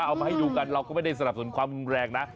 เอามาให้ดูกันเราก็ไม่ได้สนับสนุนความรุนแรงนะ